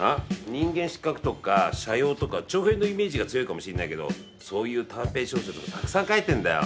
『人間失格』とか『斜陽』とか長編のイメージが強いかもしんないけどそういう短編小説もたくさん書いてんだよ。